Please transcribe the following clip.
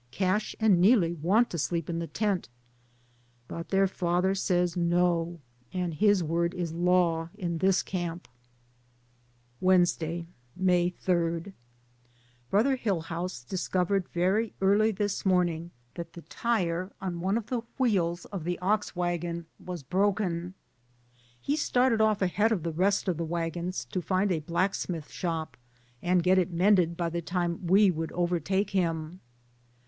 Cash and Neelie want to sleep in the tent, but their father says no, and his word is law in this camp. Wednesday, May 3. Brother Hillhouse discovered very early this morning that the tire on one of the wheels of the ox wagon was broken. He started off ahead of the rest of the wagons to find a blacksmith shop and get it mended by the time we would overtake him.